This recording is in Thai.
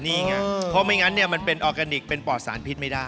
นี่ไงเพราะไม่งั้นเนี่ยมันเป็นออร์แกนิคเป็นปอดสารพิษไม่ได้